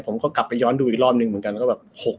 ผมก็กลับไปย้อนดูอีกรอบหนึ่งเหมือนกันก็แบบ